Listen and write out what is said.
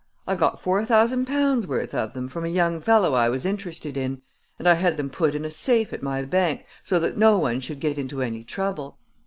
I got four thousand pounds' worth of them from a young fellow I was interested in, and I had them put in a safe at my bank so that no one should get into any trouble.